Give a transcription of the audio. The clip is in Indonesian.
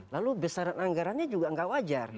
lalu besaran anggarannya juga nggak wajar